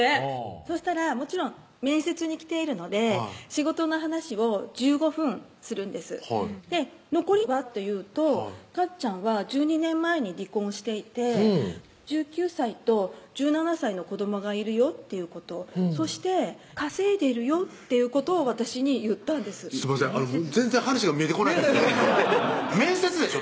そしたらもちろん面接に来ているので仕事の話を１５分するんですはい残りはというとかっちゃんは１２年前に離婚していて１９歳と１７歳の子どもがいるよっていうことそして稼いでるよっていうことを私に言ったんですすみません全然話が見えてこないです面接でしょ？